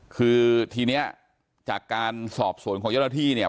คือทีนี้จากการสอบสวนของเจ้าหน้าที่เนี่ย